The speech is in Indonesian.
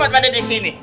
patin patin di sini